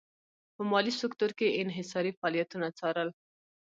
په مالي سکتور کې یې انحصاري فعالیتونه څارل.